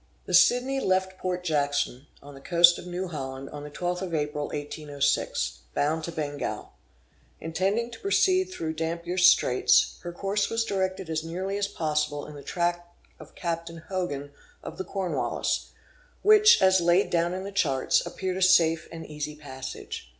The Sidney left Port Jackson, on the coast of New Holland, on the 12th of April, 1806, bound to Bengal. Intending to proceed through Dampier's Straits, her course was directed as nearly as possible in the track of Captain Hogan of the Cornwallis, which, as laid down in the charts, appeared a safe and easy passage.